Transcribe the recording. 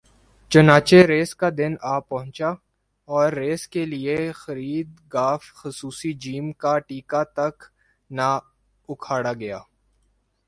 چناچہ race کا دن آپہنچا اور ریس کے لیے خرید گ خصوصی ج کا ٹیکہ تک نا اکھاڑا گیا